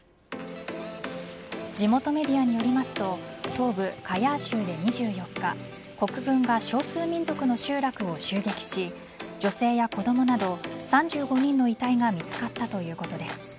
地元メディアによりますと東部・カヤー州で２４日国軍が少数民族の集落を襲撃し女性や子供など３５人の遺体が見つかったということです。